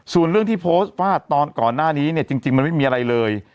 ส่วนเรื่องที่โพสต์ว่าตอนก่อนหน้านี้เนี่ยจริงมันไม่มีอะไรเลย